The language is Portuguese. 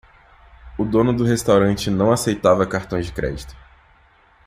O dono do restaurante não aceitava cartões de crédito.